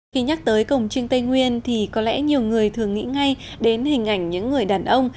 khi nhắc tới cổng trương tây nguyên thì có lẽ nhiều người thường nghĩ ngay đến hình ảnh những người đàn ông